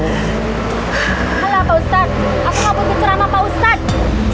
alah pak ustadz aku tidak mau bercerama pak ustadz